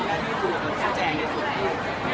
การรับความรักมันเป็นอย่างไร